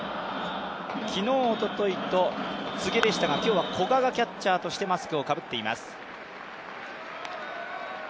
昨日、おとといと柘植でしたが、今日は古賀がキャッチャーとしてマスクをかぶっています。